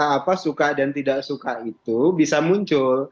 yang jelas suka dan tidak suka itu bisa muncul